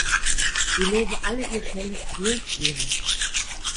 Wir loben alle Ihr schnelles Durchgehen.